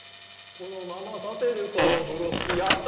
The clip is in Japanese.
「このままたてるかオフロスキー」やった！